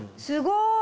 すごい。